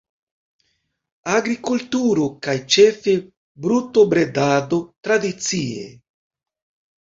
Agrikulturo kaj ĉefe brutobredado tradicie.